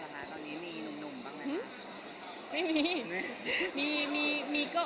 ตัวพี่วุ้นเองเหรอคะตอนนี้มีหนุ่มบ้างไหมคะ